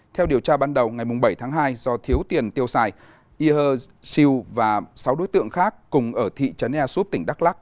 theo điều tra ban đầu ngày bảy tháng hai do thiếu tiền tiêu xài ihear siu và sáu đối tượng khác cùng ở thị trấn air soup tỉnh đắk lắc